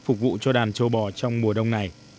phục vụ cho đàn châu bò trong mùa đông này